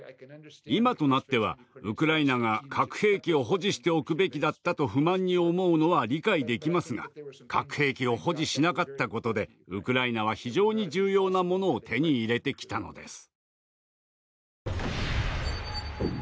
今となってはウクライナが「核兵器を保持しておくべきだった」と不満に思うのは理解できますが核兵器を保持しなかったことでウクライナは非常に重要なものを手に入れてきたのです。